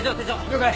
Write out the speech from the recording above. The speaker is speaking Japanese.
了解！